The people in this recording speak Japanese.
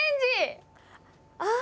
あ！